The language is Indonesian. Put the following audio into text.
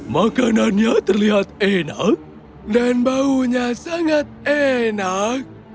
makanannya terlihat enak dan baunya sangat enak